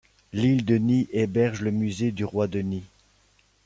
L'île Denis héberge le musée du roi Denis.